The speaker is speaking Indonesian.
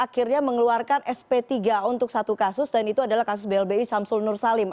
akhirnya mengeluarkan sp tiga untuk satu kasus dan itu adalah kasus blbi samsul nur salim